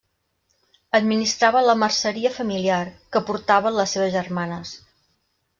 Administrava la merceria familiar, que portaven les seves germanes.